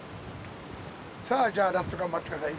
さあじゃラスト頑張って下さい。